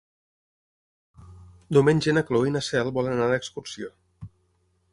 Diumenge na Cloè i na Cel volen anar d'excursió.